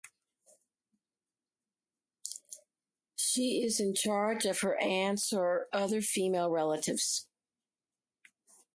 She is in charge of her aunts or other female relatives.